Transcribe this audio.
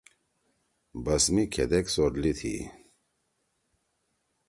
بس می کھیدیک سورلی تھی؟